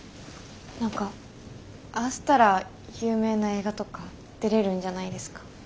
何かああしたら有名な映画とか出れるんじゃないですか？